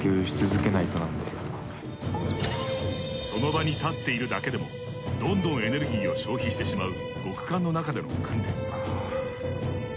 その場に立っているだけでもどんどんエネルギーを消費してしまう極寒の中での訓練。